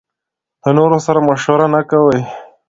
له نورو سره مشوره نکوي.